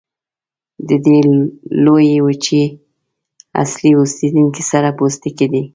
د دې لویې وچې اصلي اوسیدونکي سره پوستکي دي.